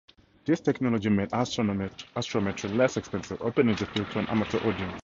This technology made astrometry less expensive, opening the field to an amateur audience.